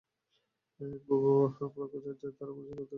পূর্ণ ব্রহ্মচর্যের দ্বারা মানসিক ও আধ্যাত্মিক শক্তি খুব প্রবল হয়ে থাকে।